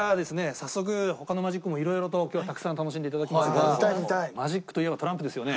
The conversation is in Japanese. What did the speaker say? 早速他のマジックもいろいろと今日はたくさん楽しんでいただきますがマジックといえばトランプですよね。